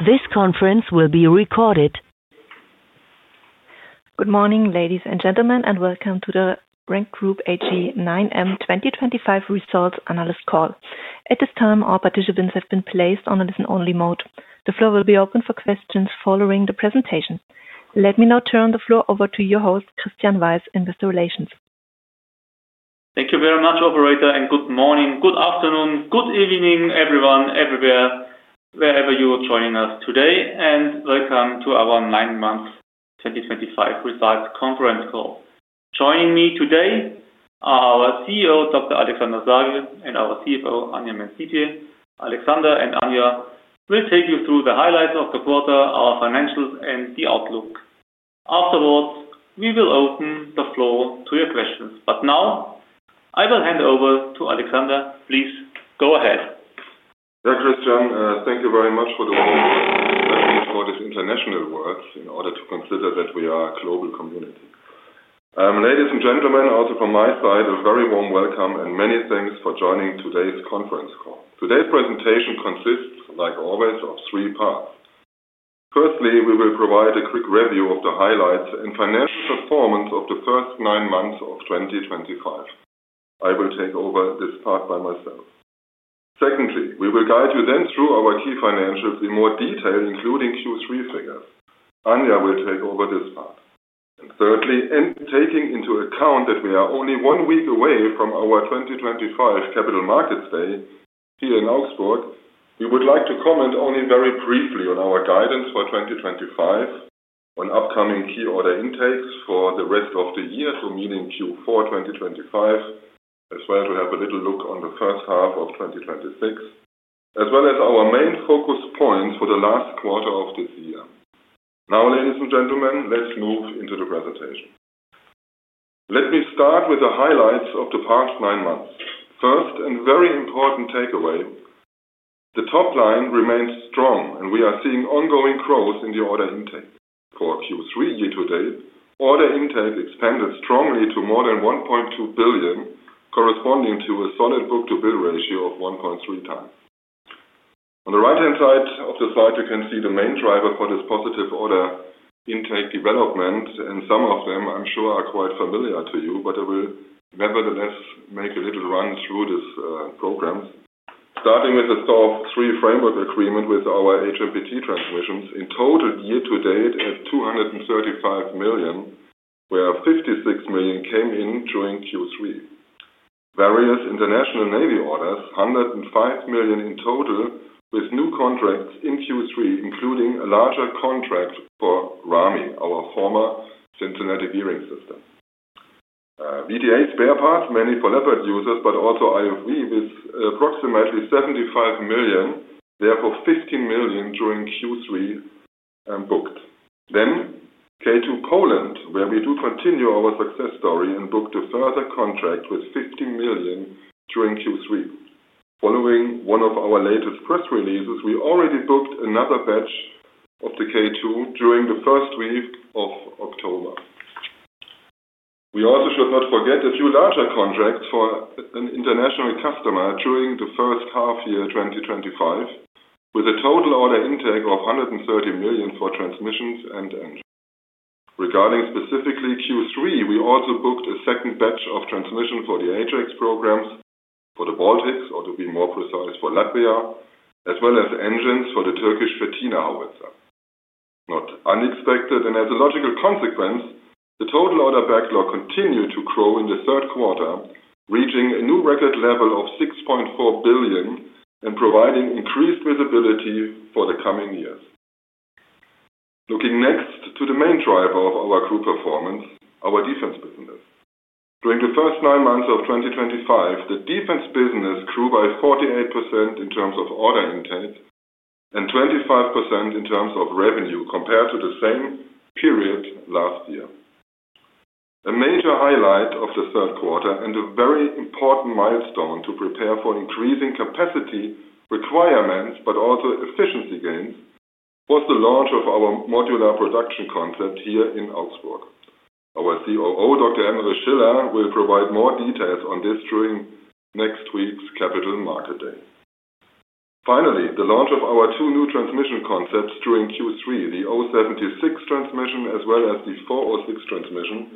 This conference will be recorded. Good morning, ladies and gentlemen, and welcome to the RENK Group AG 9M 2025 results analyst call. At this time, all participants have been placed on a listen-only mode. The floor will be open for questions following the presentation. Let me now turn the floor over to your host, Christian Weiß, [Head of Investor Relations, RENK Group AG]. Thank you very much, Operator, and good morning, good afternoon, good evening, everyone, everywhere, wherever you are joining us today, and welcome to our nine-month 2025 results conference call. Joining me today are our CEO, Dr. Alexander Sagel, and our CFO, Anja Mänz-Siebje [CFO]. Alexander and Anja will take you through the highlights of the quarter, our financials, and the outlook. Afterwards, we will open the floor to your questions. Now, I will hand over to Alexander. Please go ahead. Thank you, Christian. Thank you very much for the warm welcome and especially for this international word in order to consider that we are a global community. Ladies and gentlemen, also from my side, a very warm welcome and many thanks for joining today's conference call. Today's presentation consists, like always, of three parts. Firstly, we will provide a quick review of the highlights and financial performance of the first nine months of 2025. I will take over this part by myself. Secondly, we will guide you then through our key financials in more detail, including Q3 figures. Anja will take over this part. Thirdly, taking into account that we are only one week away from our 2025 Capital Markets Day, here in Augsburg, we would like to comment only very briefly on our guidance for 2025, on upcoming key order intakes for the rest of the year to meet in Q4 2025, as well to have a little look on the first half of 2026, as well as our main focus points for the last quarter of this year. Now, ladies and gentlemen, let's move into the presentation. Let me start with the highlights of the past nine months. First, a very important takeaway. The top line remains strong, and we are seeing ongoing growth in the order intake. For Q3 year to date, order intake expanded strongly to more than 1.2 billion, corresponding to a solid book-to-bill ratio of 1.3 times. On the right-hand side of the slide, you can see the main driver for this positive order intake development, and some of them, I'm sure, are quite familiar to you, but I will nevertheless make a little run through these programs. Starting with the SOF3 framework agreement with our HMPT transmissions, in total year to date at 235 million, where 56 million came in during Q3. Various international Navy orders, 105 million in total, with new contracts in Q3, including a larger contract for RAMI, RENK America Marine Industry, formerly Cincinnati Gearing Systems. VDA spare parts, many for Leopard users, but also IFV, with approximately 75 million, therefore 15 million during Q3 booked. Then K2 Poland, where we do continue our success story and booked a further contract with 15 million during Q3. Following one of our latest press releases, we already booked another batch of the K2 during the first week of October. We also should not forget a few larger contracts for an international customer during the first half year 2025, with a total order intake of 130 million for transmissions and engines. Regarding specifically Q3, we also booked a second batch of transmissions for the Ajax programs, for the Baltics, or to be more precise, for Latvia, as well as engines for the Turkish Fırtına howitzer. Not unexpected, and as a logical consequence, the total order backlog continued to grow in the third quarter, reaching a new record level of 6.4 billion and providing increased visibility for the coming years. Looking next to the main driver of our group performance, our defense business. During the first nine months of 2025, the defense business grew by 48% in terms of order intake and 25% in terms of revenue compared to the same period last year. A major highlight of the third quarter and a very important milestone to prepare for increasing capacity requirements, but also efficiency gains, was the launch of our modular production concept here in Augsburg. Our COO, Dr. Emmerich Schiller, will provide more details on this during next week's Capital Markets Day. Finally, the launch of our two new transmission concepts during Q3, the O76 transmission as well as the 406 transmission,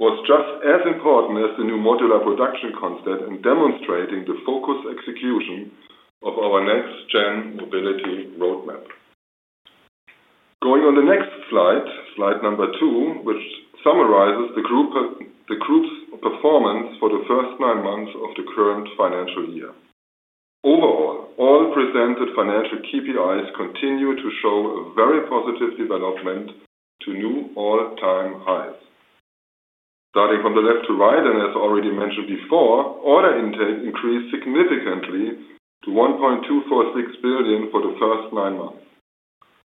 was just as important as the new modular production concept and demonstrating the focused execution of our next-gen mobility roadmap. Going on the next slide, slide number two, which summarizes the group's performance for the first nine months of the current financial year. Overall, all presented financial KPIs continue to show a very positive development to new all-time highs. Starting from the left to right, and as already mentioned before, order intake increased significantly to 1.246 billion for the first nine months.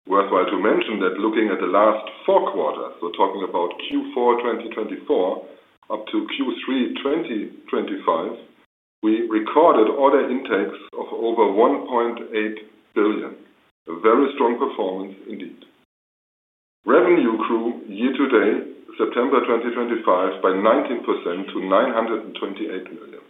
Worthwhile to mention that looking at the last four quarters, so talking about Q4 2024 up to Q3 2025, we recorded order intakes of over 1.8 billion. A very strong performance indeed. Revenue grew year to date, September 2025, by 19% to 928 million.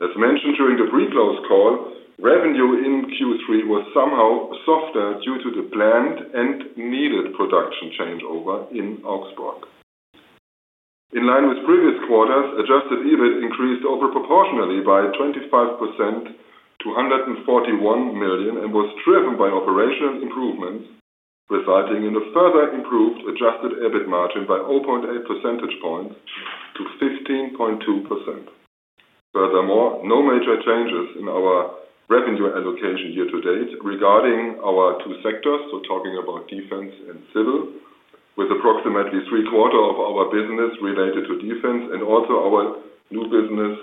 As mentioned during the pre-close call, revenue in Q3 was somehow softer due to the planned and needed production changeover in Augsburg. In line with previous quarters, adjusted EBIT increased overproportionally by 25% to 141 million and was driven by operational improvements, resulting in a further improved adjusted EBIT margin by 0.8 percentage points to 15.2%. Furthermore, no major changes in our revenue allocation year to date regarding our two sectors, so talking about defense and civil, with approximately three-quarters of our business related to defense and also our new business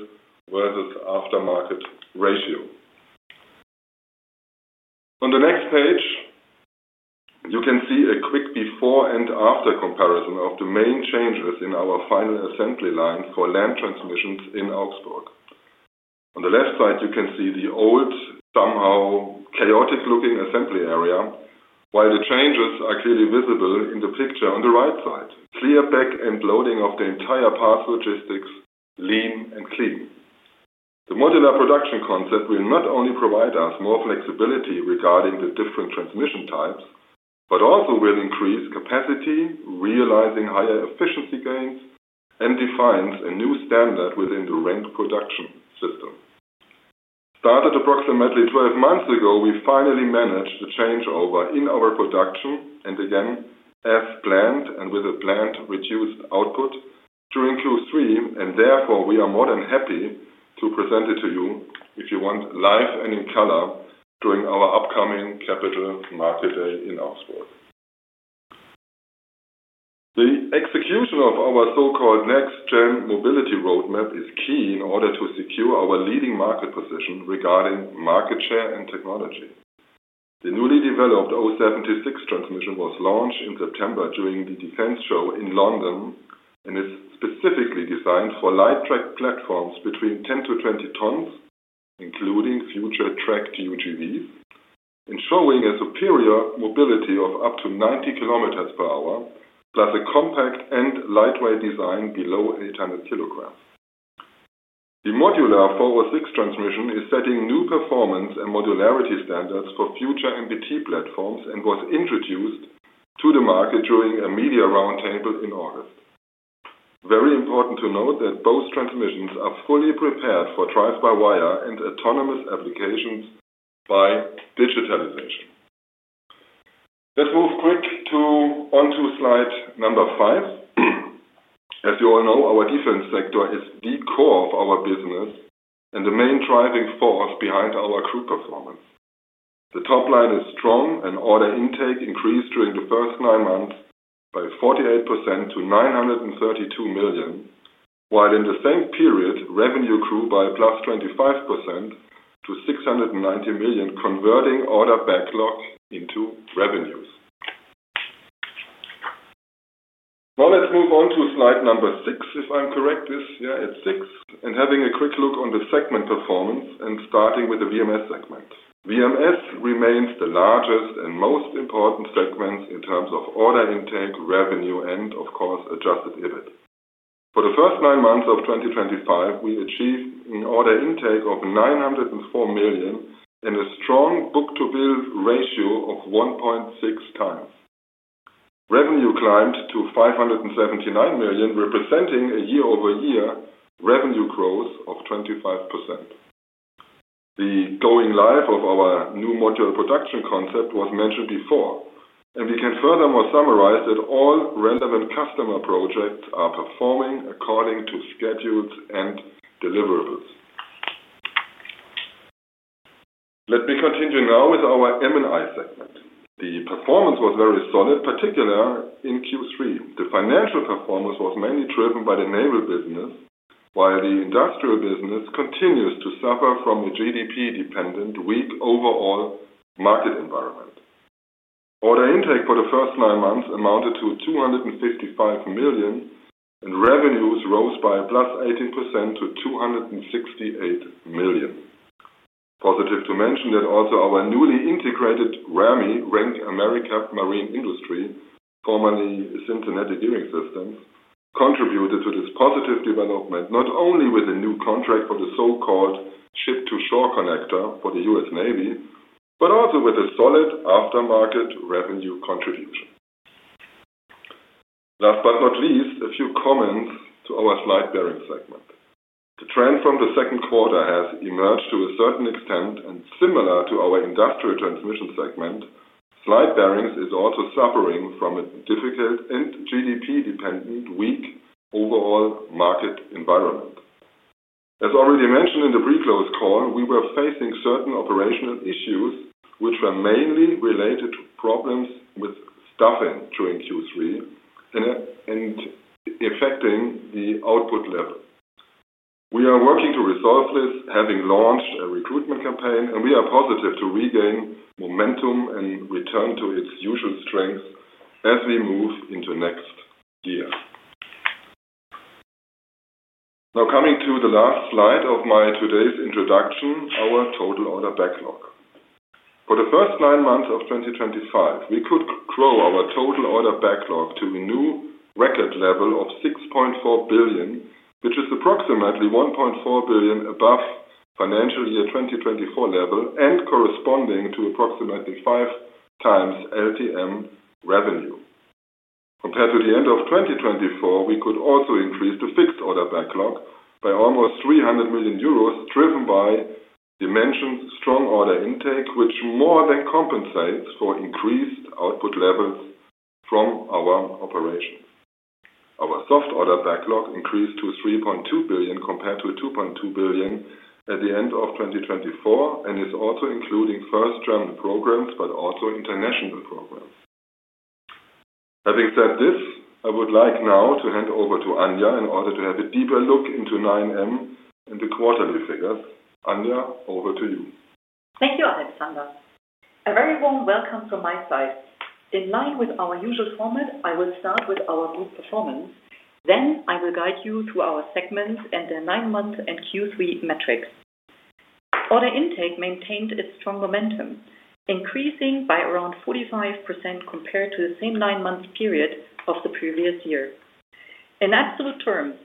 versus aftermarket ratio. On the next page, you can see a quick before-and-after comparison of the main changes in our final assembly line for land transmissions in Augsburg. On the left side, you can see the old, somehow chaotic-looking assembly area, while the changes are clearly visible in the picture on the right side. Clear back-end loading of the entire parts logistics, lean and clean. The modular production concept will not only provide us more flexibility regarding the different transmission types, but also will increase capacity, realizing higher efficiency gains, and defines a new standard within the RENK production system. The changeover in our production started approximately 12 months ago, and again, as planned and with a planned reduced output during Q3, and therefore we are more than happy to present it to you if you want live and in color during our upcoming Capital Markets Day in Augsburg. The execution of our so-called next-gen mobility roadmap is key in order to secure our leading market position regarding market share and technology. The newly developed O76 transmission was launched in September during the defense show in London and is specifically designed for light track platforms between 10-20 tons, including future tracked UGVs, ensuring a superior mobility of up to 90 km per hour, plus a compact and lightweight design below 800 kg. The modular 406 transmission is setting new performance and modularity standards for future MBT platforms and was introduced to the market during a media roundtable in August. Very important to note that both transmissions are fully prepared for drive-by-wire and autonomous applications by digitalization. Let's move quickly on to slide number five. As you all know, our defense sector is the core of our business and the main driving force behind our group performance. The top line is strong, and order intake increased during the first nine months by 48% to 932 million, while in the same period, revenue grew by +25% to 690 million, converting order backlog into revenues. Now let's move on to slide number six, if I'm correct. Yeah, it's six. And having a quick look on the segment performance and starting with the VMS segment. VMS remains the largest and most important segment in terms of order intake, revenue, and adjusted EBIT, revenue, and of course, adjusted EBIT. For the first nine months of 2025, we achieved an order intake of 904 million and a strong book-to-bill ratio of 1.6 times. Revenue climbed to 579 million, representing a year-over-year revenue growth of 25%. The going live of our new modular production concept was mentioned before, and we can furthermore summarize that all relevant customer projects are performing according to schedules and deliverables. Let me continue now with our M&I segment. The performance was very solid, particularly in Q3. The financial performance was mainly driven by the naval business, while the industrial business continues to suffer from a GDP-dependent, weak overall market environment. Order intake for the first nine months amounted to 255 million, and revenues rose by 18% to 268 million. It is positive to mention that our newly integrated RAMI, RENK America Marine Industry, formerly Synthetic Hearing Systems, contributed to this positive development not only with a new contract for the so-called ship-to-shore connector for the US Navy, but also with a solid aftermarket revenue contribution. Last but not least, a few comments to our slide bearing segment. The trend from the second quarter has emerged to a certain extent, and similar to our industrial transmission segment, slide bearings is also suffering from a difficult and GDP-dependent, weak overall market environment. As already mentioned in the pre-close call, we were facing certain operational issues, which were mainly related to problems with staffing during Q3 and affecting the output level. We are working to resolve this, having launched a recruitment campaign, and we are positive to regain momentum and return to its usual strengths as we move into next year. Now coming to the last slide of my today's introduction, our total order backlog. For the first nine months of 2025, we could grow our total order backlog to a new record level of 6.4 billion, approximately 1.4 billion above FY 2024 level level and corresponding to approximately five times LTM revenue. Compared to the end of 2024, we could also increase the fixed order backlog by almost 300 million euros, driven by the mentioned strong order intake, which more than compensates for increased output levels from our operations. Our soft order backlog increased to 3.2 billion compared to 2.2 billion at the end of 2024 and is also including first-gen programs but also international programs. Having said this, I would like now to hand over to Anja in order to have a deeper look into 9M and the quarterly figures. Anja, over to you. Thank you, Alexander. A very warm welcome from my side, Anja. In line with our usual format, I will start with our group performance. Then I will guide you through our segments and the nine-month and Q3 metrics. Order intake maintained its strong momentum, increasing by around 45% compared to the same nine-month period of the previous year. In absolute terms,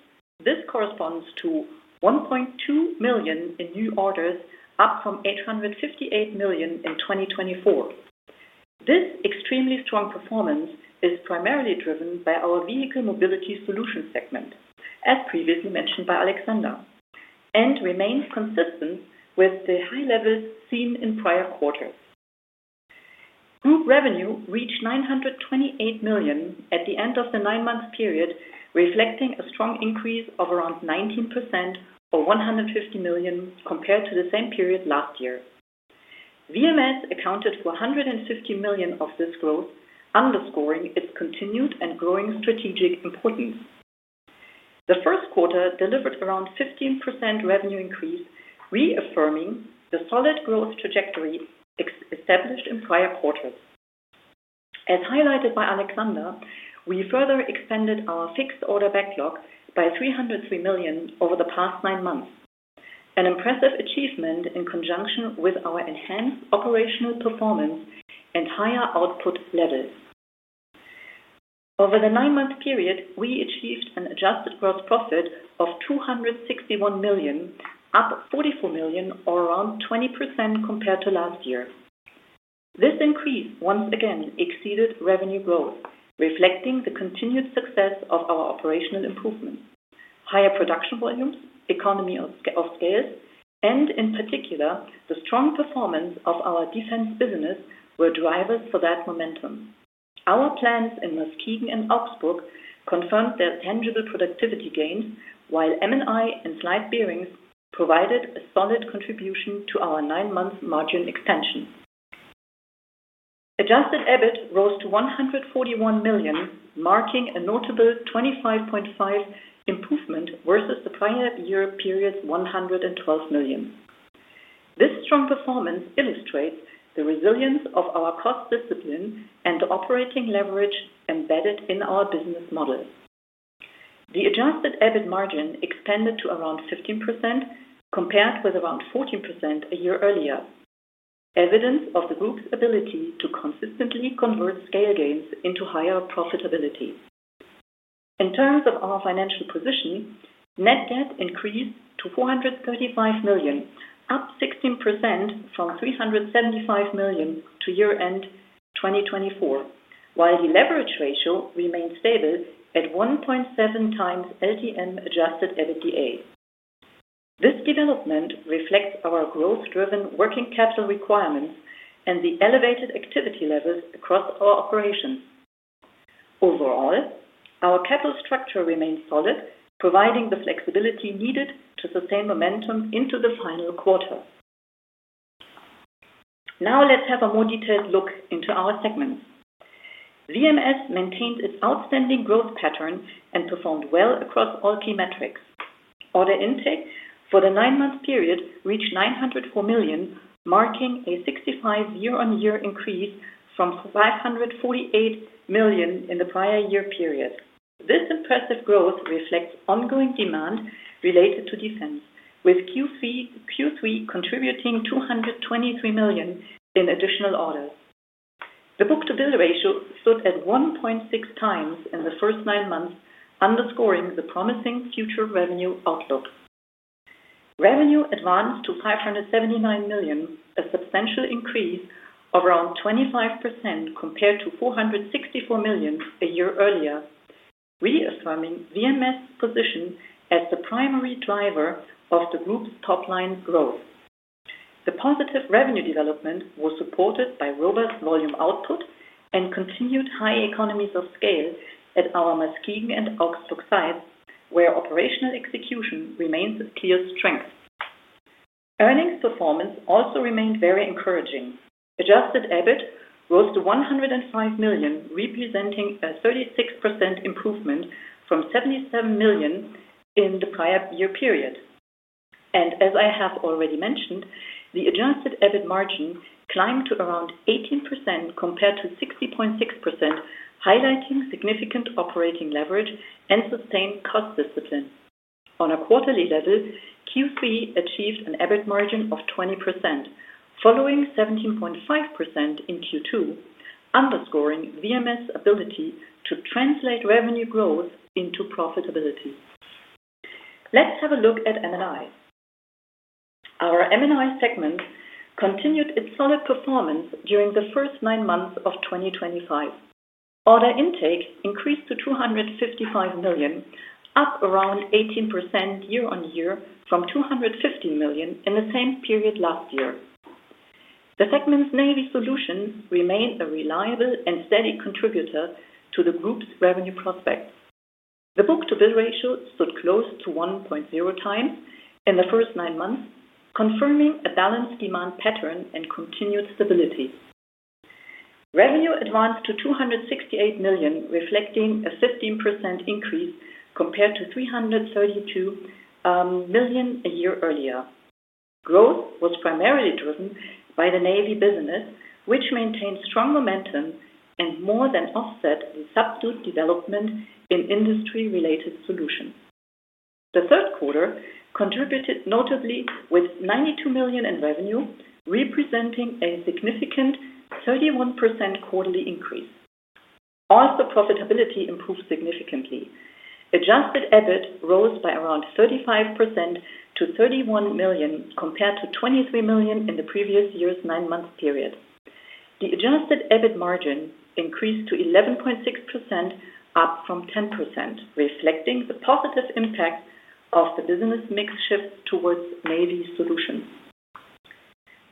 this corresponds to 1.2 billion in new orders, up from 858 million in 2023. This extremely strong performance is primarily driven by our Vehicle Mobility Solutions segment, as previously mentioned by Alexander, and remains consistent with the high levels seen in prior quarters. Group revenue reached 928 million at the end of the nine-month period, reflecting a strong increase of around 19% or 150 million compared to the same period last year. VMS accounted for 150 million of this growth, underscoring its continued and growing strategic importance. The first quarter delivered around 15% revenue increase, reaffirming the solid growth trajectory established in prior quarters. As highlighted by Alexander Sagel, we further extended our fixed order backlog by 303 million over the past nine months, an impressive achievement in conjunction with our enhanced operational performance and higher output levels. Over the nine-month period, we achieved an adjusted gross profit of 261 million, up 44 million, or around 20% compared to last year. This increase once again exceeded revenue growth, reflecting the continued success of our operational improvements. Higher production volumes, economy of scales, and in particular, the strong performance of our defense business were drivers for that momentum. Our plants in Muskegon and Augsburg confirmed their tangible productivity gains, while M&I and slide bearings provided a solid contribution to our nine-month margin extension. Adjusted EBIT rose to 141 million, marking a notable 25.5% improvement versus the prior year period's 112 million. This strong performance illustrates the resilience of our cost discipline and the operating leverage embedded in our business model. The adjusted EBIT margin expanded to around 15% compared with around 14% a year earlier, evidence of the group's ability to consistently convert scale gains into higher profitability. In terms of our financial position, net debt increased to 435 million, up 16% from 375 million at year-end 2024, while the leverage ratio remained stable at 1.7 times LTM adjusted EBITDA. This development reflects our growth-driven working capital requirements and the elevated activity levels across our operations. Overall, our capital structure remained solid, providing the flexibility needed to sustain momentum into the final quarter. Now let's have a more detailed look into our segments. VMS maintained its outstanding growth pattern and performed well across all key metrics and performed well across all key metrics. Order intake for the nine-month period reached 904 million, marking a 65% year-on-year increase from 548 million in the prior year period. This impressive growth reflects ongoing demand related to defense, with Q3 contributing 223 million in additional orders. The book-to-bill ratio stood at 1.6 times in the first nine months, underscoring the promising future revenue outlook. Revenue advanced to 579 million, a substantial increase of around 25% compared to 464 million a year earlier, reaffirming VMS's position as the primary driver of the group's top-line growth. The positive revenue development was supported by robust volume output and continued high economies of scale at our Muskegon and Augsburg sites, where operational execution remains a clear strength. Earnings performance also remained very encouraging. Adjusted EBIT rose to 105 million, representing a 36% improvement from 77 million in the prior year period. As I have already mentioned, the adjusted EBIT margin climbed to around 18% compared to 16.6%, highlighting significant operating leverage and sustained cost discipline. On a quarterly level, Q3 achieved an EBIT margin of 20%, following 17.5% in Q2, underscoring VMS's ability to translate revenue growth into profitability. Let's have a look at M&I. Our M&I segment continued its solid performance during the first nine months of 2025. Order intake increased to 255 million, up around 18% year-on-year from 216 million in the same period last year. The segment's navy solution remained a reliable and steady contributor to the group's revenue prospects. The book-to-bill ratio stood close to 1.0 times in the first nine months, confirming a balanced demand pattern and continued stability. Revenue advanced to 268 million, reflecting a 15% increase, reflecting a 15% increase compared to 232 million a year earlier. Growth was primarily driven by the navy business, which maintained strong momentum and more than offset the subdued development in industry-related solutions. The third quarter contributed notably with 92 million in revenue, representing a significant 31% quarterly increase. Also, profitability improved significantly. Adjusted EBIT rose by around 35% to 31 million compared to 23 million in the previous year's nine-month period. The adjusted EBIT margin increased to 11.6%, up from 10%, reflecting the positive impact of the business mix shift towards navy solutions.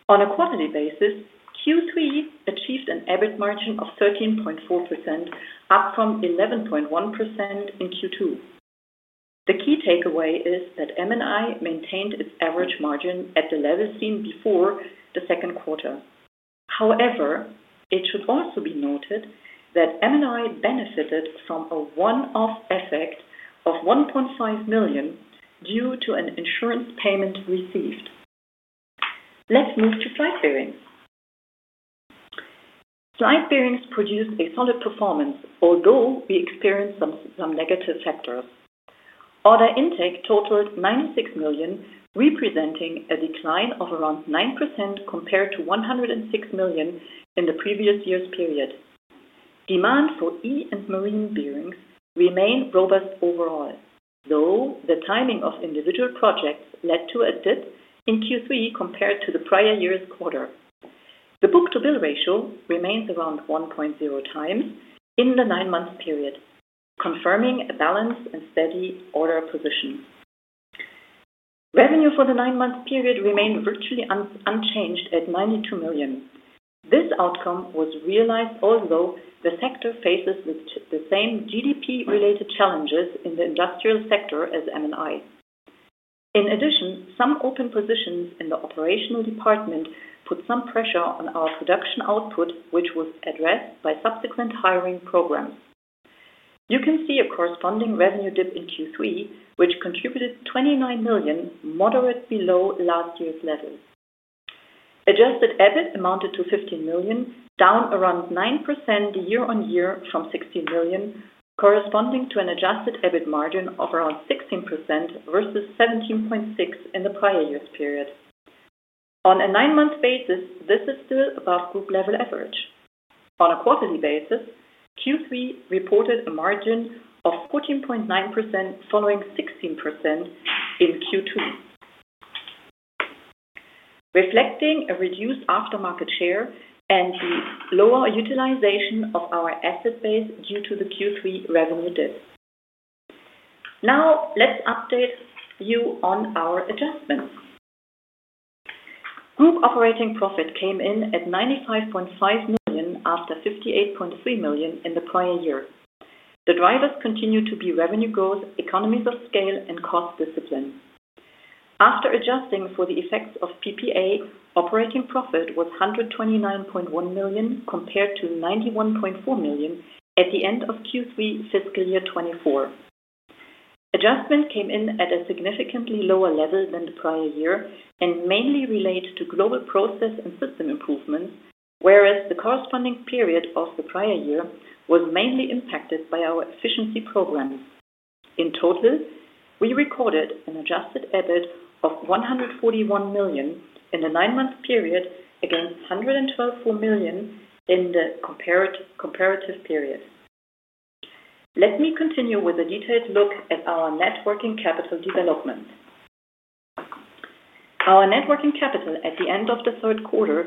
On a quarterly basis, Q3 achieved an EBIT margin of 13.4%, up from 11.1% in Q2. The key takeaway is that M&I maintained its average margin at the level seen before the second quarter. However, it should also be noted that M&I benefited from a one-off effect of EUR 1.5 million from a one-off effect of 1.5 million due to an insurance payment received. Let's move to slide bearings. Slide bearings produced a solid performance, although we experienced some negative factors. Order intake totaled 96 million, representing a decline of around 9% compared to 106 million in the previous year's period. Demand for E and marine bearings remained robust overall, though the timing of individual projects led to a dip in Q3 compared to the prior year's quarter. The book-to-bill ratio remains around 1.0 times in the nine-month period, confirming a balanced and steady order position. Revenue for the nine-month period remained virtually unchanged at 92 million. This outcome was realized although the sector faces the same GDP-related challenges in the industrial sector as M&I. In addition, some open positions in the operational department put some pressure on our production output, which was addressed by subsequent hiring programs. You can see a corresponding revenue dip in Q3, which contributed 29 million, moderately below last year's level. Adjusted EBIT amounted to 15 million, down around 9% year-on-year from 16 million, corresponding to an adjusted EBIT margin of around 16% versus 17.6% in the prior year's period. On a nine-month basis, this is still above group-level average. On a quarterly basis, Q3 reported a margin of 14.9%, following 16% in Q2, reflecting a reduced aftermarket share and the lower utilization of our asset base due to the Q3 revenue dip. Now let's update you on our adjustments. Group operating profit came in at 95.5 million after 58.3 million in the prior year. The drivers continue to be revenue growth, economies of scale, and cost discipline. After adjusting for the effects of PPA, operating profit was 129.1 million, operating profit was 129.1 million compared to 91.4 million at the end of Q3 fiscal year 2024. Adjustment came in at a significantly lower level than the prior year and mainly relates to global process and system improvements, whereas the corresponding period of the prior year was mainly impacted by our efficiency programs. In total, we recorded an adjusted EBIT of 141 million in the nine-month period against 112 million in the comparative period. Let me continue with a detailed look at our networking capital development. Our networking capital at the end of the third quarter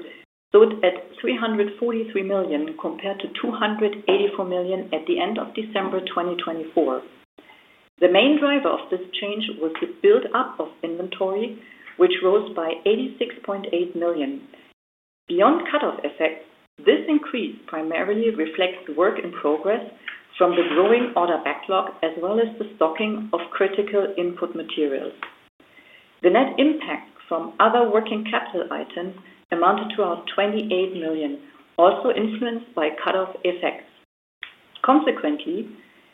stood at 343 million compared to 284 million at the end of December 2024. The main driver of this change was the build-up of inventory, which rose by 86.8 million. Beyond cut-off effects, this increase primarily reflects work-in-progress from the growing order backlog, as well as the stocking of critical input materials. The net impact from other working capital items amounted to around 28 million, also influenced by cut-off effects. Consequently,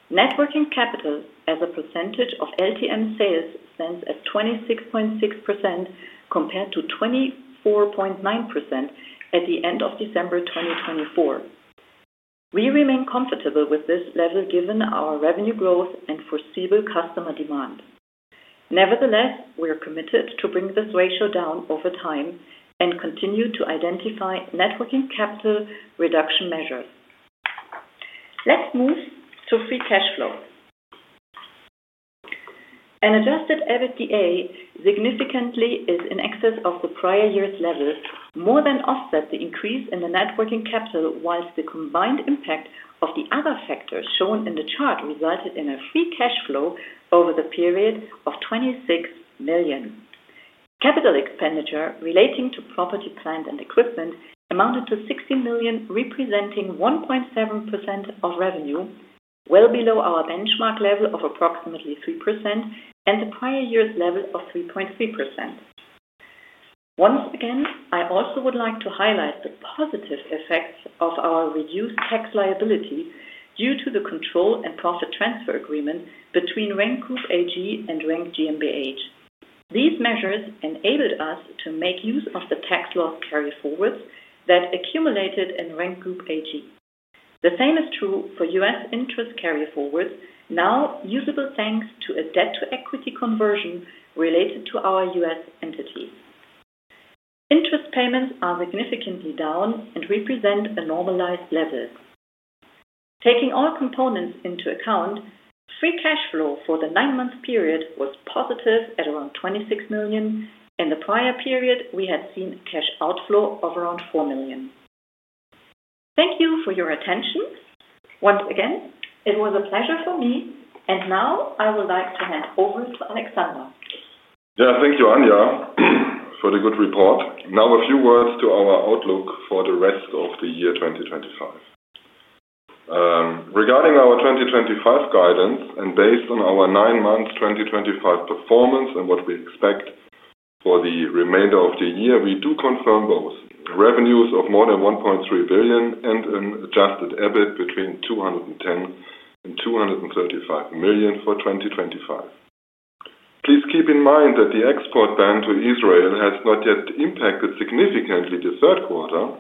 net working capital as a percentage of LTM sales stands at 26.6% compared to 24.9% at the end of December 2024. We remain comfortable with this level given our revenue growth and foreseeable customer demand. Nevertheless, we are committed to bringing this ratio down over time and continue to identify net working capital reduction measures. Let's move to free cash flow. An adjusted EBITDA significantly is in excess of the prior year's levels, more than offsets the increase in the net working capital, while the combined impact of the other factors shown in the chart resulted in a free cash flow over the period of 26 million. Capital expenditure relating to property, plant, and equipment amounted to 16 million, representing 1.7% of revenue, well below our benchmark level of approximately 3% and the prior year's level of 3.3%. Once again, I also would like to highlight the positive effects of our reduced tax liability due to the control and profit transfer agreement between RENK Group AG and RENK GmbH. These measures enabled us to make use of the tax loss carryforwards that accumulated in RENK Group AG. The same is true for U.S. interest carryforwards, now usable thanks to a debt-to-equity conversion related to our U.S. entity. Interest payments are significantly down and represent a normalized level. Taking all components into account, free cash flow for the nine-month period was positive at around 26 million, and in the prior period we had seen a cash outflow of around 4 million. Thank you for your attention. Once again, it was a pleasure, and I would like to hand over to Anja Yeah, thank you, Anja, for the good report. Now, a few words to our outlook for the rest of the year 2025. Regarding our 2025 guidance and based on our nine-month 2025 performance and what we expect for the remainder of the year, we do confirm both revenues of more than 1.3 billion and an adjusted EBIT between 210 million-235 million for 2025. Please keep in mind that the export ban to Israel has not yet impacted significantly the third quarter.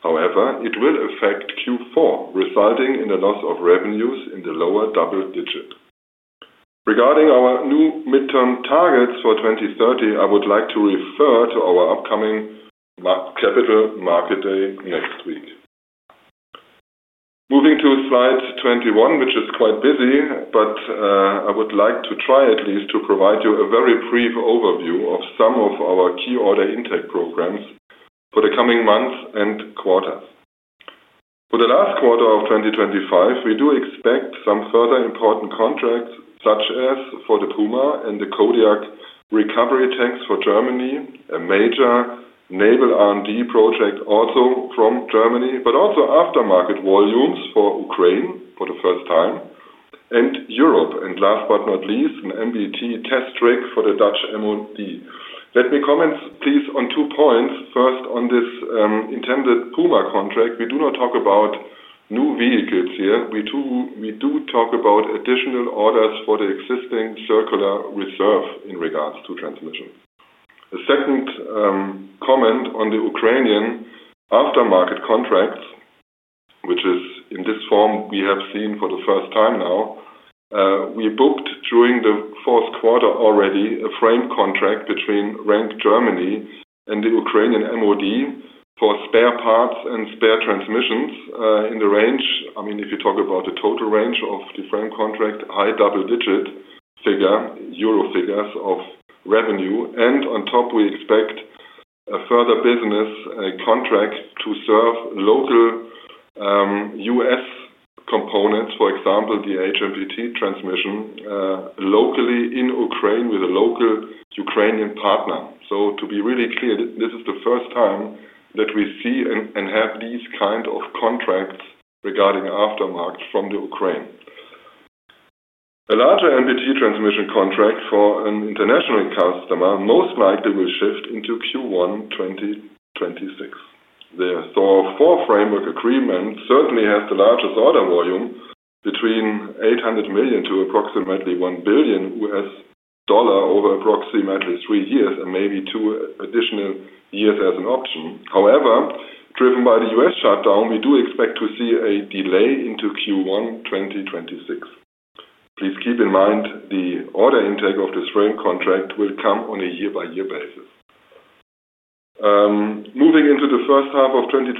However, it will affect Q4, resulting in a loss of revenues in the lower double digit. Regarding our new midterm targets for 2030, I would like to refer to our upcoming capital market day next week. Moving to slide 21, which is quite busy, but I would like to try at least to provide you a very brief overview of some of our key order intake programs for the coming months and quarters. For the last quarter of 2025, we do expect some further important contracts, such as for the Puma and the Kodiak recovery tanks for Germany, a major naval R&D project also from Germany, but also aftermarket volumes for Ukraine for the first time, and Europe. Last but not least, an MBT test rig for the Dutch MOD. Let me comment, please, on two points. First, on this intended Puma contract, we do not talk about new vehicles here. We do talk about additional orders for the existing circular reserve in regards to transmission. The second comment on the Ukrainian aftermarket contracts, which is in this form we have seen for the first time now, we already booked a frame contract during the fourth quarter between RENK Germany and the Ukrainian MOD for spare parts and spare transmissions in the range. I mean, if you talk about the total range of the frame contract, high double-digit EUR figures of revenue. On top, we expect a further business contract to serve local US components, for example, the HMPT transmission locally in Ukraine with a local Ukrainian partner. To be really clear, this is the first time that we see and have these kinds of contracts regarding aftermarket from Ukraine. A larger MBT transmission contract for an international customer most likely will shift into Q1 2026. The SOF4 framework agreement has the largest order volume, estimated between $800 million and $1 billion over approximately three years and maybe two additional years as an option. However, driven by the U.S. shutdown, we do expect to see a delay into Q1 2026. Please keep in mind the order intake of this frame contract will come on a year-by-year basis. Moving into the first half of 2026,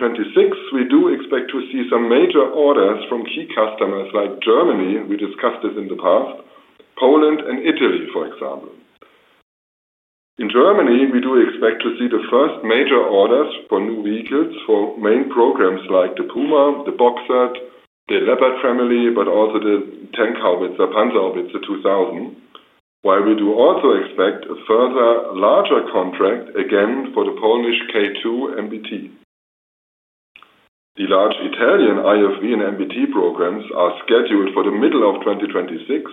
we do expect to see some major orders from key customers like Germany; we discussed this in the past, Poland and Italy, for example. In Germany, we do expect to see the first major orders for new vehicles for main programs like the Puma, the Boxer, the Leopard family, but also the Panzerhaubitzer 2000, while we do also expect a further larger contract again for the Polish K2 MBT. The large Italian IFV and MBT programs are scheduled for the middle of 2026,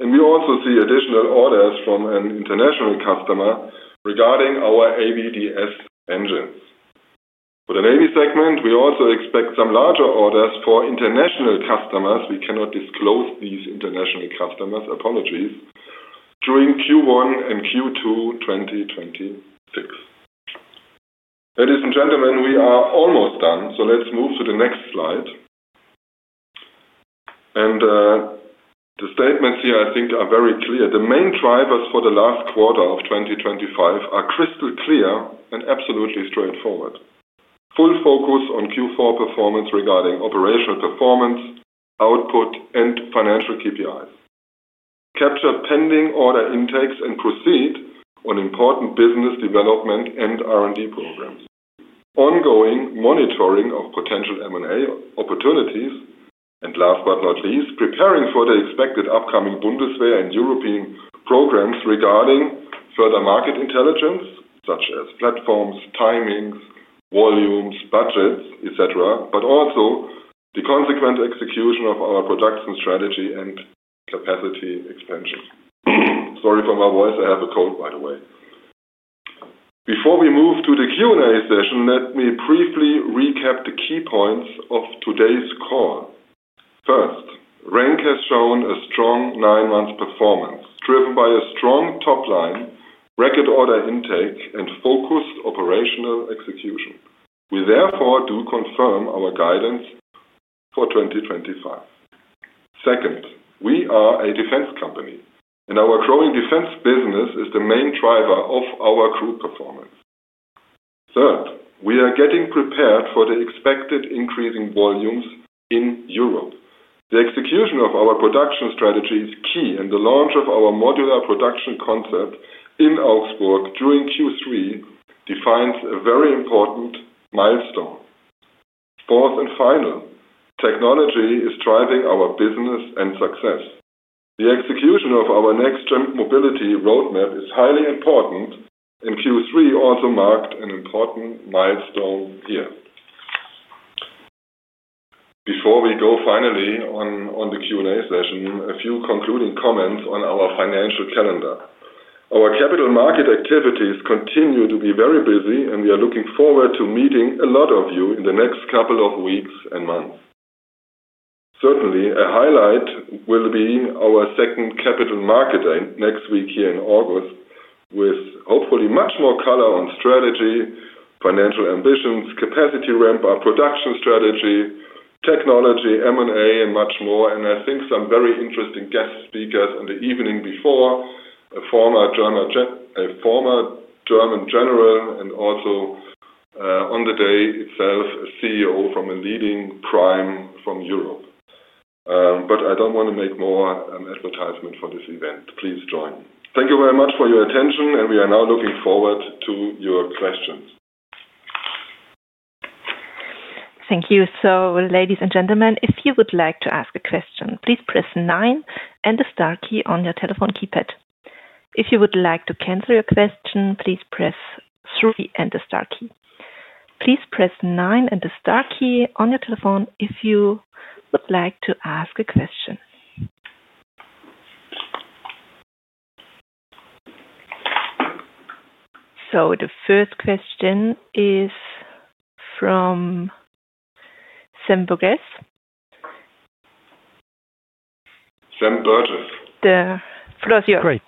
and we also expect additional orders from an international customer for our AVDS engines. For the navy segment, we also expect some larger orders for international customers. We cannot disclose these international customers, apologies, during Q1 and Q2 2026. Ladies and gentlemen, we are almost done, so let's move to the next slide. The statements here, I think, are very clear. The main drivers for the last quarter of 2025 are crystal clear and absolutely straightforward. Full focus on Q4 performance regarding operational performance, output, and financial KPIs. Capture pending order intakes and proceed on important business development and R&D programs. Ongoing monitoring of potential M&A opportunities. Last but not least, preparing for the expected upcoming Bundeswehr and European programs regarding further market intelligence, such as platforms, timings, volumes, budgets, etc., but also the consequent execution of our production strategy and capacity expansion. Sorry for my voice; I have a cold, by the way. Before we move to the Q&A session, let me briefly recap the key points of today's call. First, RENK has shown a strong nine-month performance, driven by a strong top line, record order intake, and focused operational execution. We therefore do confirm our guidance for 2025. Second, we are a defense company, and our growing defense business is the main driver of our group performance. Third, we are getting prepared for the expected increasing volumes in Europe. The execution of our production strategy is key, and the launch of our modular production concept in Augsburg during Q3 defines a very important milestone. Fourth and final, technology is driving our business and success. The execution of our next mobility roadmap is highly important, and Q3 also marked an important milestone here. Before we go finally on the Q&A session, a few concluding comments on our financial calendar. Our capital market activities continue to be very busy, and we are looking forward to meeting a lot of you in the next couple of weeks and months. Certainly, a highlight will be our second capital market day next week here in Augsburg, with hopefully much more color on strategy, financial ambitions, capacity ramp, our production strategy, technology, M&A, and much more. I think some very interesting guest speakers in the evening before, a former German general and also on the day itself, a CEO from a leading prime from Europe. I do not want to make more advertisement for this event. Please join. Thank you very much for your attention, and we are now looking forward to your questions. Thank you. Ladies and gentlemen, if you would like to ask a question, please press 9 and the star key on your telephone keypad. If you would like to cancel your question, please press 3 and the star key. Please press 9 and the star key on your telephone if you would like to ask a question. The first question is from Sam Burgess. Sam Burgess, the floor is yours. Great.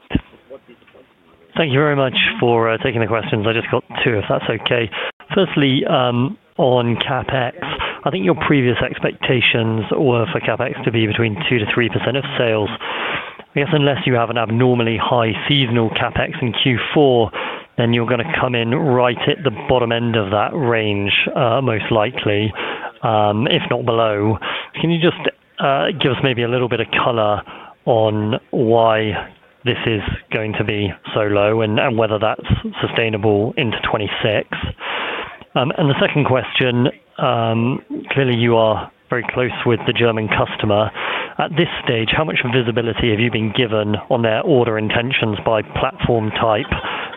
Thank you very much for taking the questions. I just got two, if that's okay. Firstly, on CapEx, I think your previous expectations were for CapEx to be between 2%-3% of sales. I guess unless you have an abnormally high seasonal CapEx in Q4, then you're going to come in right at the bottom end of that range, most likely, if not below. Can you just give us maybe a little bit of color on why this is going to be so low and whether that's sustainable into 2026? The second question, clearly you are very close with the German customer. At this stage, how much visibility have you been given on their order intentions by platform type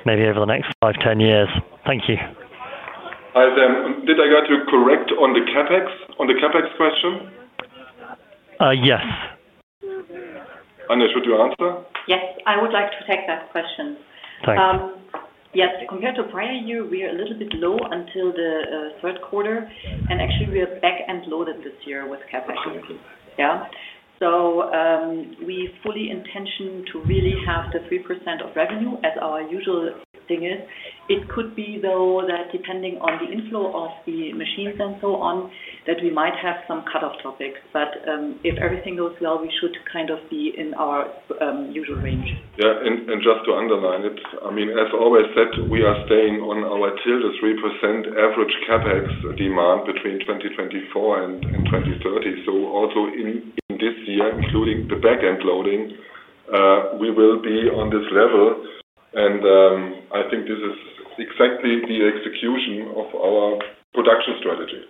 maybe over the next 5 to 10 years? Thank you. Did I get you correct on the CapEx question? Yes. Anja, should you answer? Yes. I would like to take that question. Thanks. Yes. Compared to prior year, we are a little bit low until the third quarter, and actually we are back and loaded this year with CapEx. Yeah. We fully intend to really have the 3% of revenue as our usual thing is. It could be, though, that depending on the inflow of the machines and so on, we might have some cut-off topics. If everything goes well, we should kind of be in our usual range. Yeah. Just to underline it, I mean, as always said, we are staying on our till the 3% average CapEx demand between 2024 and 2030. Also in this year, including the backend loading, we will be on this level, and I think this is exactly the execution of our production strategy.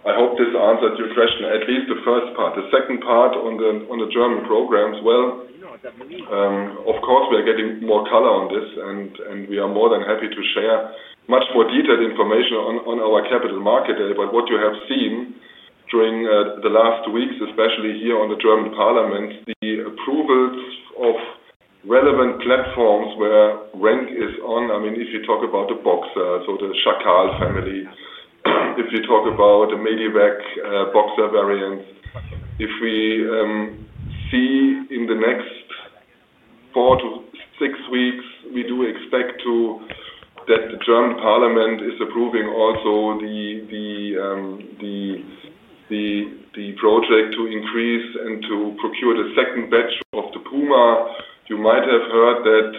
I hope this answered your question, at least the first part. The second part on the German programs, of course, we are getting more color on this, and we are more than happy to share much more detailed information on our capital market day. What you have seen during the last weeks, especially here on the German parliament, the approvals of relevant platforms where RENK is on, I mean, if you talk about the Boxer, so the Schakal family, if you talk about the MedEvac Boxer variants, if we see in the next four to six weeks, we do expect that the German parliament is approving also the project to increase and to procure the second batch of the Puma. You might have heard that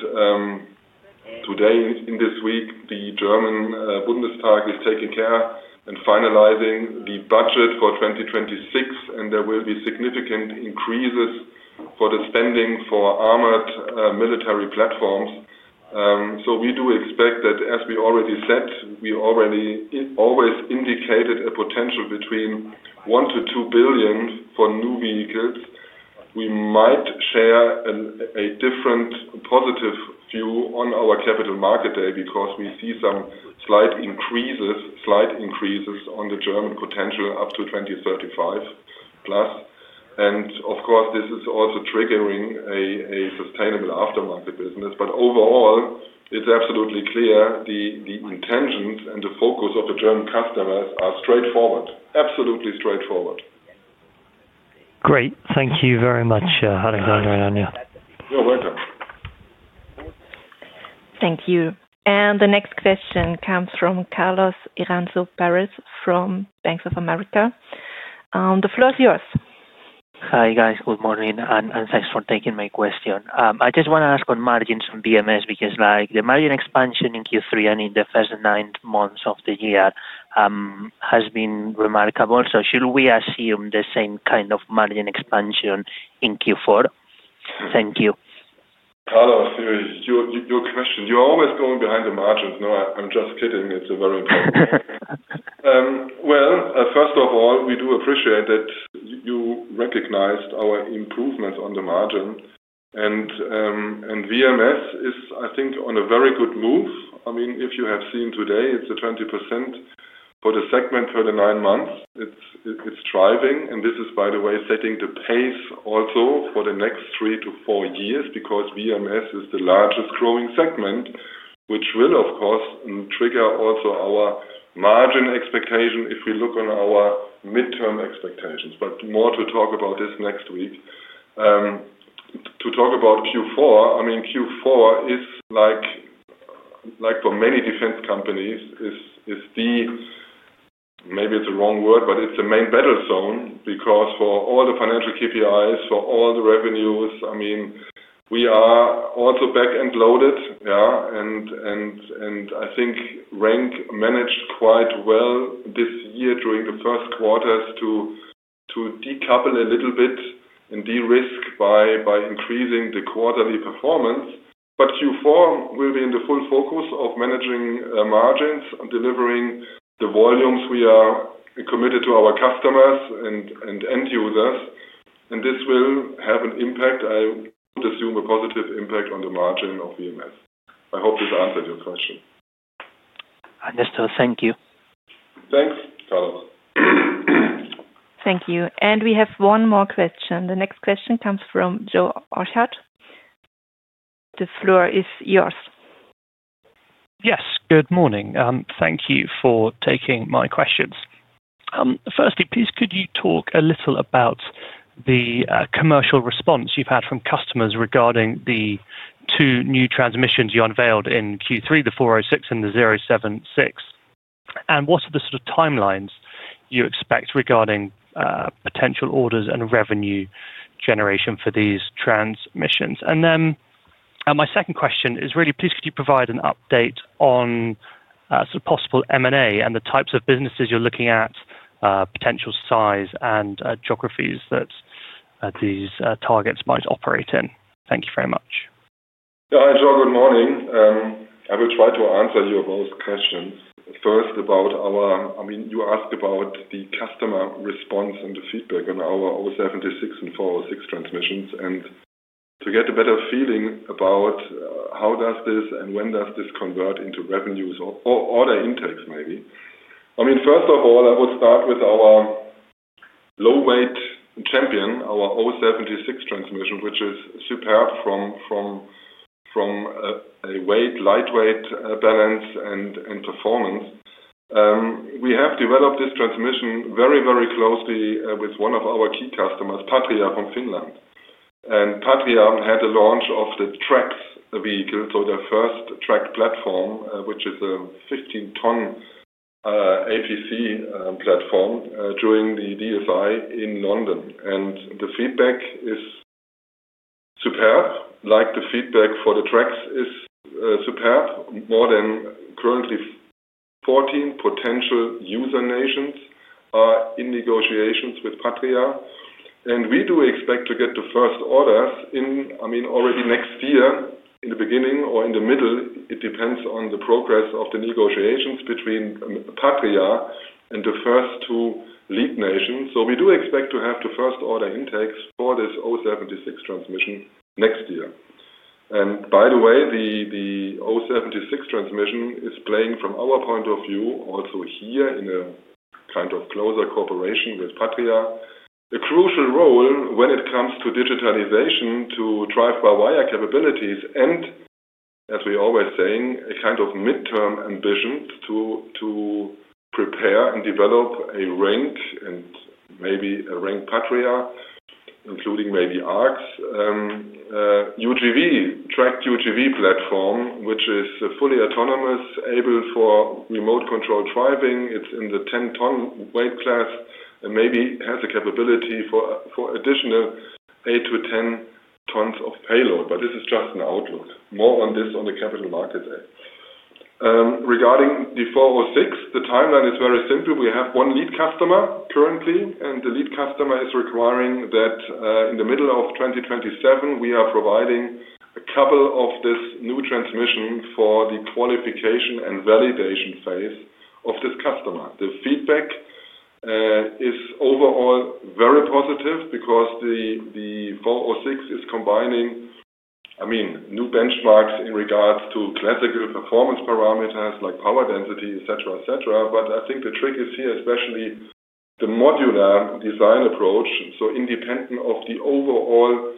today, in this week, the German Bundestag is taking care and finalizing the budget for 2026, and there will be significant increases for the spending for armored military platforms. We do expect that, as we already said, we always indicated a potential between 1 billion-2 billion for new vehicles. We may share a more positive view on our capital market day due to slight increases in German defense potential up to 2035 and beyond. this is also triggering a sustainable aftermarket business. Overall, it is absolutely clear the intentions and the focus of the German customers are straightforward, absolutely straightforward. Great. Thank you very much, Alexander and Anja. You're welcome. Thank you. The next question comes from Carlos Irausquin from Bank of America. The floor is yours. Hi guys. Good morning and thanks for taking my question. I just want to ask on margins from BMS because the margin expansion in Q3 and in the first nine months of the year has been remarkable. Should we assume the same kind of margin expansion in Q4? Thank you. Carlos Irausquin, your question. You're always going behind the margins. No, I'm just kidding. It's a very important question. First of all, we do appreciate that you recognized our improvements on the margin. BMS is, I think, on a very good move. I mean, if you have seen today, it's a 20% for the segment for the nine months. It's driving, and this is, by the way, setting the pace also for the next three to four years because BMS is the largest growing segment, which will, of course, trigger also our margin expectation if we look on our midterm expectations. More to talk about this next week. To talk about Q4, I mean, Q4 is, like for many defense companies, maybe it's the wrong word, but it's the main battle zone because for all the financial KPIs, for all the revenues, I mean, we are also back and loaded. Yeah. I think RENK managed quite well this year during the first quarters to decouple a little bit and de-risk by increasing the quarterly performance. Q4 will be in the full focus of managing margins and delivering the volumes we are committed to our customers and end users. This will have an impact, I would assume, a positive impact on the margin of VMS. I hope this answered your question. Understood. Thank you. Thanks, Carlos. Thank you. We have one more question. The next question comes from Joe Orchard. The floor is yours. Yes. Good morning. Thank you for taking my questions. Firstly, please, could you talk a little about the commercial response you've had from customers regarding the two new transmissions you unveiled in Q3, the 406 and the O76? What are the sort of timelines you expect regarding potential orders and revenue generation for these transmissions? My second question is really, please, could you provide an update on possible M&A and the types of businesses you're looking at, potential size and geographies that these targets might operate in? Thank you very much. Yeah. Hi, Joe. Good morning. I will try to answer your both questions. First, about our—I mean, you asked about the customer response and the feedback on our O76 and 406 transmissions. To get a better feeling about how does this and when does this convert into revenues or order intakes, maybe. I mean, first of all, I would start with our low-weight champion, our O76 transmission, which is superb from a weight, lightweight balance and performance. We have developed this transmission very, very closely with one of our key customers, Patria from Finland. Patria had a launch of the TRAX vehicle, so their first TRAX platform, which is a 15-ton APC platform during the DSI in London. The feedback is superb. Like the feedback for the TRAX is superb. More than currently 14 potential user nations are in negotiations with Patria. We do expect to get the first orders in, I mean, already next year in the beginning or in the middle. It depends on the progress of the negotiations between Patria and the first two lead nations. We do expect to have the first order intakes for this O76 transmission next year. By the way, the O76 transmission is playing, from our point of view, also here in a kind of closer cooperation with Patria, a crucial role when it comes to digitalization to drive our wire capabilities. As we always say, a kind of midterm ambition to prepare and develop a RENK and maybe a RENK Patria, including maybe ARX UGV, TRAX UGV platform, which is fully autonomous, able for remote-controlled driving. It is in the 10-ton weight class and maybe has a capability for additional 8-10 tons of payload. This is just an outlook. More on this on the capital market day. Regarding the 406, the timeline is very simple. We have one lead customer currently, and the lead customer is requiring that in the middle of 2027, we are providing a couple of this new transmission for the qualification and validation phase of this customer. The feedback is overall very positive because the 406 is combining, I mean, new benchmarks in regards to classical performance parameters like power density, etc., etc. I think the trick is here, especially the modular design approach. Independent of the overall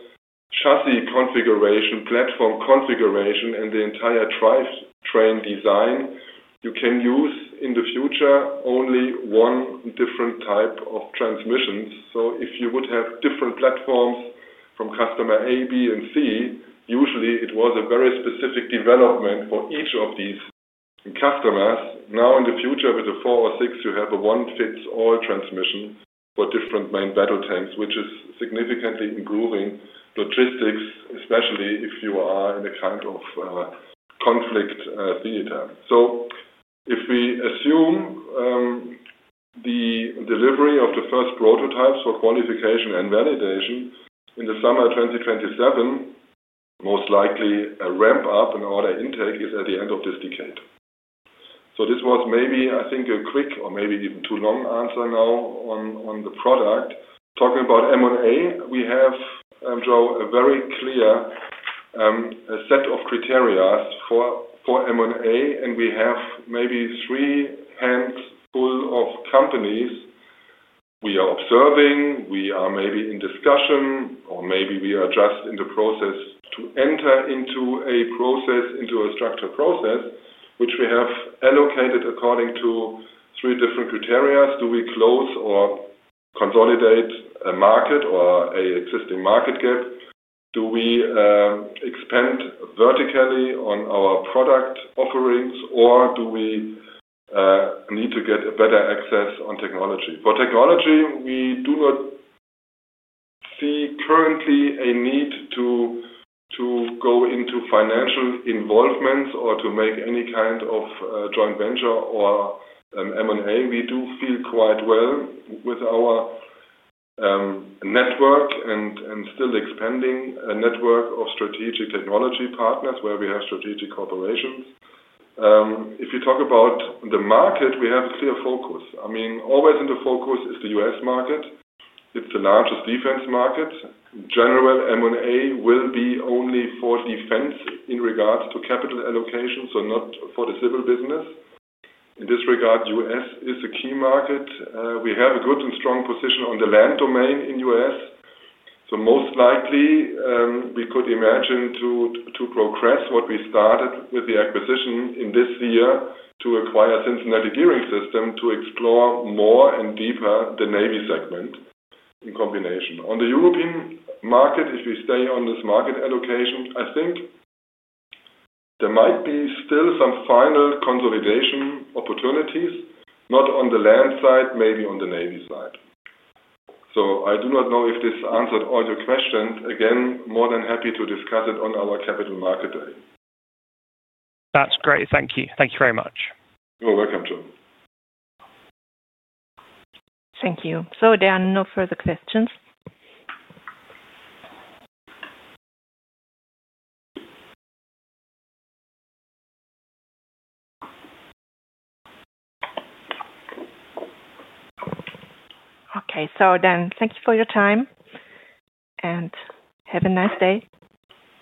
chassis configuration, platform configuration, and the entire drivetrain design, you can use in the future only one different type of transmissions. If you would have different platforms from customer A, B, and C, usually it was a very specific development for each of these customers. Now in the future, with the 406, you have a one-fits-all transmission for different main battle tanks, which is significantly improving logistics, especially if you are in a kind of conflict theater. If we assume the delivery of the first prototypes for qualification and validation in the summer of 2027, most likely a ramp-up in order intake is at the end of this decade. This was maybe, I think, a quick or maybe even too long answer now on the product. Talking about M&A, we have, Joe, a very clear set of criteria for M&A, and we have maybe three hands full of companies we are observing. We are maybe in discussion, or maybe we are just in the process to enter into a structured process, which we have allocated according to three different criteria. Do we close or consolidate a market or an existing market gap? Do we expand vertically on our product offerings, or do we need to get better access on technology? For technology, we do not see currently a need to go into financial involvements or to make any kind of joint venture or M&A. We do feel quite well with our network and still expanding a network of strategic technology partners where we have strategic corporations. If you talk about the market, we have a clear focus. I mean, always in the focus is the US market. It's the largest defense market. General M&A will be only for defense in regards to capital allocation, so not for the civil business. In this regard, US is a key market. We have a good and strong position on the land domain in US. Most likely, we could imagine to progress what we started with the acquisition in this year to acquire Cincinnati Gearing Systems to explore more and deeper the Navy segment in combination. On the European market, if we stay on this market allocation, I think there might be still some final consolidation opportunities, not on the land side, maybe on the Navy side. I do not know if this answered all your questions. Again, more than happy to discuss it on our capital market day. That's great. Thank you. Thank you very much. You're welcome, Joe. Thank you. No further questions. Okay. Thank you for your time, and have a nice day.